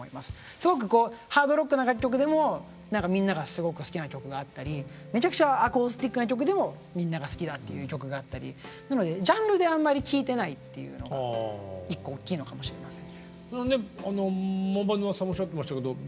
すごくこうハードロックな楽曲でもみんながすごく好きな曲があったりめちゃくちゃアコースティックな曲でもみんなが好きだっていう曲があったり１個大きいのかもしれません。